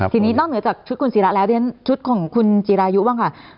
ทีนี้นอกเหนือจากชุดคุณศิระแล้วเรียนชุดของคุณจิรายุบ้างค่ะ